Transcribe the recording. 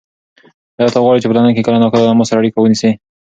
ایا ته غواړې چې په لندن کې کله ناکله له ما سره اړیکه ونیسې؟